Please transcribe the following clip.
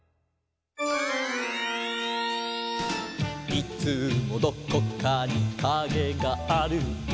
「いつもどこかにカゲがある」